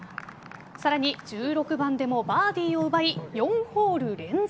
さらに１６番でもバーディーを奪い４ホール連続。